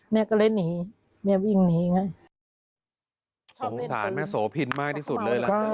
แม่ก็เลยหนีแม่วิ่งหนีไงสงสารแม่โสพินมากที่สุดเลยล่ะ